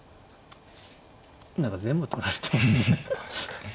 何か全部取られてますね。